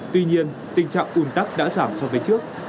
tuy nhiên tình trạng ùn tắc đã giảm so với trước